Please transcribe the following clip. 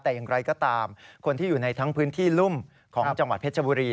แต่อย่างไรก็ตามคนที่อยู่ในทั้งพื้นที่รุ่มของจังหวัดเพชรบุรี